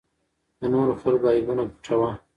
د نورو خلکو عیبونه پټوه.